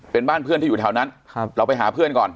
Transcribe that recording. เป็นบ้านเพื่อนที่อยู่แถวนั้นเราไปหาเพื่อนก่อน